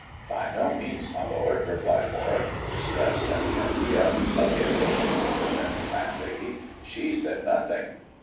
" By no means, my lord," replied Warwick, distressed at the idea of inculpating the friendly landlady ;" she said nothing."